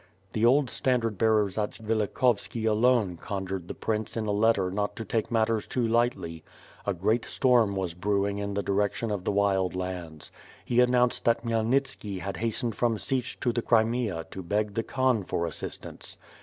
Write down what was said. The old standard bearer Zatsvilikhovski alone conjured the prince in a letter not to take matters too lightly. A great storm was brewing in the direction of the Wild Lands. He announced that Khymelnitski has hast ened from Sich to the Crimea to beg the Khan for assist ance."